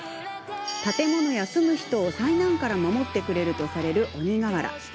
建物や住む人を災難から守ってくれるとされる鬼がわら。